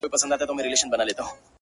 o چي په دنيا کي محبت غواړمه ـ